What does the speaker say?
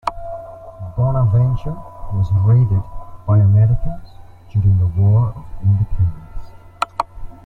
Bonaventure was raided by Americans during the War of Independence.